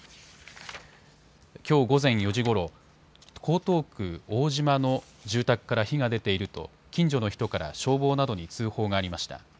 きょう午前４時ごろ、江東区大島の住宅から火が出ていると近所の人から消防などに通報がありました。